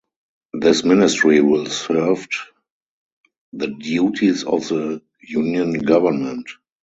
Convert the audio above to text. This ministry will served the duties of the Union Government.